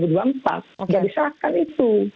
tidak disahkan itu